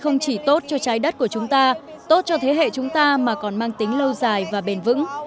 không chỉ tốt cho trái đất của chúng ta tốt cho thế hệ chúng ta mà còn mang tính lâu dài và bền vững